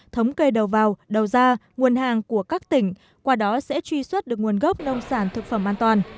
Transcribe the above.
thống kê đầu vào đầu ra nguồn hàng của các tỉnh qua đó sẽ truy xuất được nguồn gốc nông sản thực phẩm an toàn